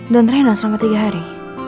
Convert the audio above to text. dan treno selama tiga hari